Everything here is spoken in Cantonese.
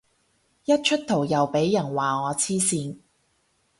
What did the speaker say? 一出圖又俾人話我黐線